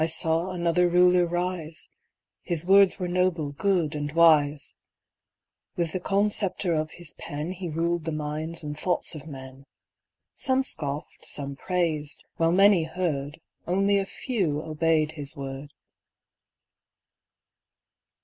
I saw another Ruler rise His words were noble, good, and wise; With the calm sceptre of his pen He ruled the minds and thoughts of men; Some scoffed, some praised while many heard, Only a few obeyed his word.